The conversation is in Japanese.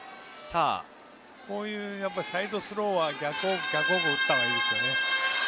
こういうサイドスローは逆方向に打った方がいいです。